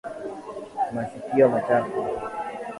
Masikio machafu.